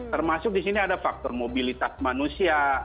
termasuk di sini ada faktor mobilitas manusia